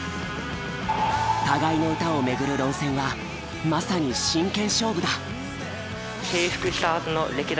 互いの歌を巡る論戦はまさに真剣勝負だ。